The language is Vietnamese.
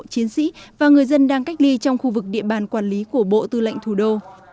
chiến sĩ và người dân đang cách ly trong khu vực địa bàn quản lý của bộ tư lệnh thủ đô